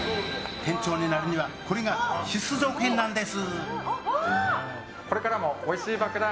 店長になるにはこれが必須条件なんです。